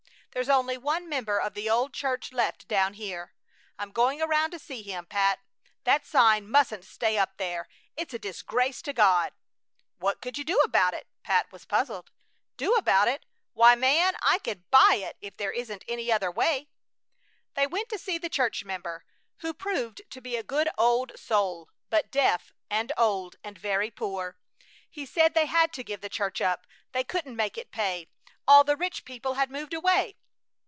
There's only one member of the old church left down here. I'm going around to see him. Pat, that sign mustn't stay up there! It's a disgrace to God." "What could you do about it?" Pat was puzzled. "Do about it? Why, man, I can buy it if there isn't any other way!" They went to see the church member, who proved to be a good old soul, but deaf and old and very poor. He said they had to give the church up; they couldn't make it pay. All the rich people had moved away.